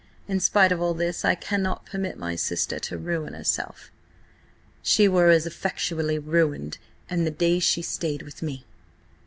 In spite of all this, I cannot permit my sister to ruin herself." "She were as effectually ruined an she stayed with me."